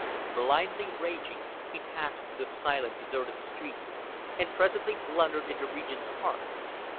Blindly raging, he passed through the silent, deserted streets, and presently blundered into Regent's Park.